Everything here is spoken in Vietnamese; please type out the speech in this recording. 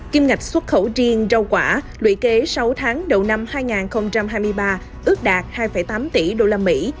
kim ngạch xuất khẩu riêng rau quả lũy kế sáu tháng đầu năm hai nghìn hai mươi ba ước đạt hai tám tỷ đô la mỹ